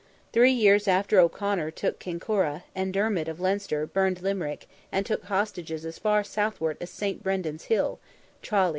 Three years after O'Conor took Kinkora, and Dermid, of Leinster, burned Limerick, and took hostages as far southward as Saint Brendan's hill (Tralee).